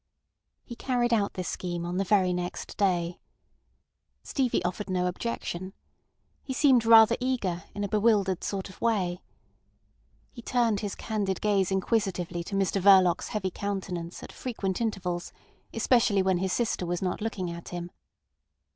He carried out this scheme on the very next day. Stevie offered no objection. He seemed rather eager, in a bewildered sort of way. He turned his candid gaze inquisitively to Mr Verloc's heavy countenance at frequent intervals, especially when his sister was not looking at him.